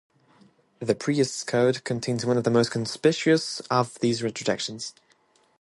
The Priests' Code contains one of the most conspicuous of these retrojections.